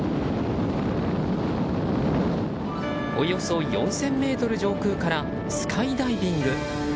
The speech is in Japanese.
およそ４０００ｍ上空からスカイダイビング。